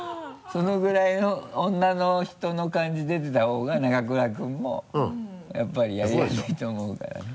そのぐらいの女の人の感じ出てたほうが永倉君もやっぱりやりやすいと思うから。